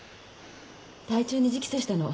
隊長に直訴したの。